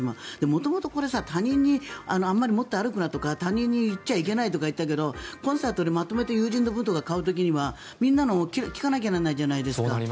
元々、これあまり持って歩くなとか他人に言っちゃいけないとかっていってたけどコンサートでまとめてみんなの分を買う時とかはみんなのを聞かなきゃいけないじゃないですか。